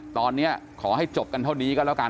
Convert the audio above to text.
ตอนนี้ขอให้จบกันเท่านี้ก็แล้วกัน